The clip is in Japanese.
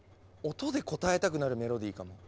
音でこたえたくなるメロディーかも。